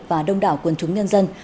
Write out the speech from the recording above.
và đông đảo quân chúng nhân dân